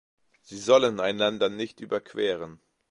Sie sollen einander nicht überqueren.